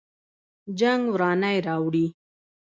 جنګ ورانی راوړي